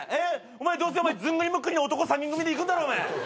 お前どうせずんぐりむっくりの男３人組で行くんだろ！